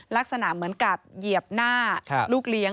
ลักษณะเหมือนกับเหยียบหน้าลูกเลี้ยง